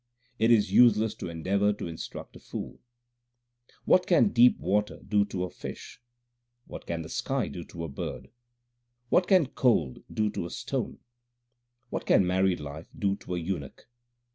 It is useless to endeavour to instruct a fool : What can deep water do to a fish ? What can the sky do to a bird ? What can cold do to a stone ? What can married life do to a eunuch